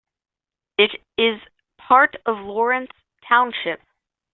It is part of Lawrence Township.